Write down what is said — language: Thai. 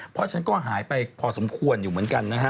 เพราะฉะนั้นก็หายไปพอสมควรอยู่เหมือนกันนะฮะ